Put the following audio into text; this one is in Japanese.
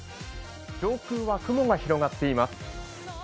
上空は雲が広がっています。